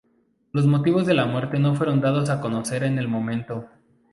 Los motivos de la muerte no fueron dados a conocer en el momento.